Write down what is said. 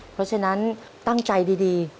เพราะฉะนั้นตั้งใจดี